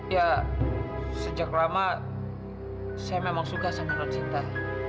ya sejak lama saya memang suka sama nonsinta